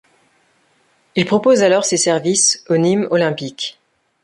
Il propose alors ses services au Nîmes Olympique.